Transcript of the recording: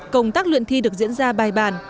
công tác luyện thi được diễn ra bài bàn